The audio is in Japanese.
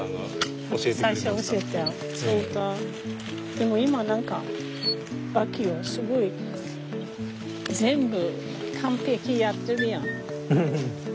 でも今何かバッキーはすごい全部完璧やってるやん。